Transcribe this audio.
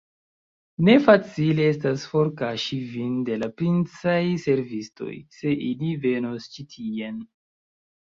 Ne facile estas forkaŝi vin de la princaj servistoj, se ili venos ĉi tien!